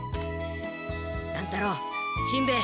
乱太郎しんべヱ。